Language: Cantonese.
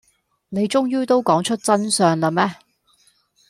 你終於都講出真相喇咩